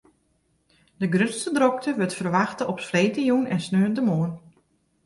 De grutste drokte wurdt ferwachte op freedtejûn en sneontemoarn.